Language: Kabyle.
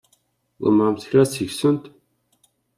Tḍemɛemt kra seg-sent?